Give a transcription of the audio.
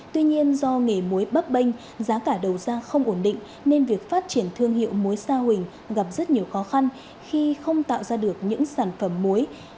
tuy nhiên do nghề muối bắp bênh giá cả đầu ra không ổn định nên việc phát triển thương hiệu mối sa huỳnh gặp rất nhiều khó khăn khi không tạo ra được những sản phẩm muối